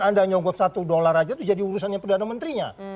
anda nyonggot satu dolar aja itu jadi urusannya perdana menterinya